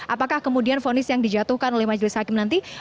apakah kemudian fonis yang dijatuhkan oleh majelis hakim nanti